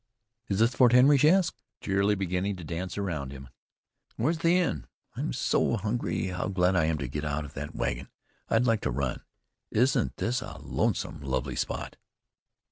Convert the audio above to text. "Is this Fort Henry?" she asked, cheerily, beginning to dance around him. "Where's the inn? I'm so hungry. How glad I am to get out of that wagon! I'd like to run. Isn't this a lonesome, lovely spot?"